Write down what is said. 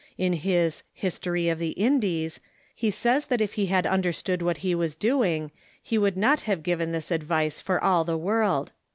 In his "History of the Indies" he says that if he had understood Avhat he AA'as doing he w^ould not have given this advice for all the Avorld.